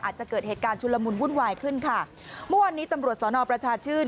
อาจจะเกิดเหตุการณ์ชุลมุนวุ่นวายขึ้นค่ะเมื่อวานนี้ตำรวจสอนอประชาชื่น